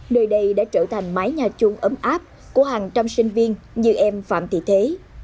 nơi đây đã trở thành mái nhà chung ấm áp của hàng trăm sinh viên như em phạm thị thế